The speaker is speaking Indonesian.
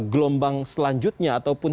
gelombang selanjutnya ataupun